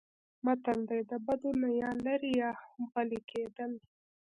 متل دی: د بدو نه یا لرې یا هم غلی کېدل.